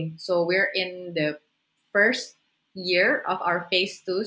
jadi kita berada di tahun pertama